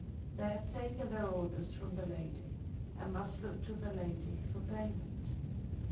They had taken their orders from the lady, and must look to the lady for payment.